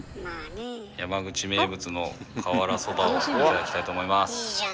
山口名物の瓦そばを頂きたいと思います！